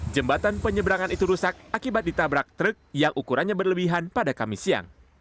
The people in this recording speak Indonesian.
jembatan penyeberangan itu rusak akibat ditabrak truk yang ukurannya berlebihan pada kamis siang